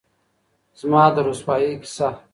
زمـــا د رسـوايـۍ كـيسه